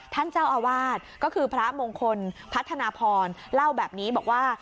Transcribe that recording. ท่านเจ้าอาวาสก็คือพระมงคลพัฒนาพรเล่าแบบนี้บอกว่า